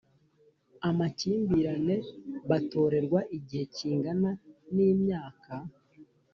amakimbirane batorerwa igihe kingana n imyaka